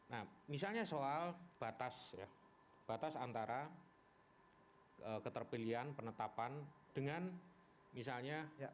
nah misalnya soal batas ya batas antara keterpilihan penetapan dengan misalnya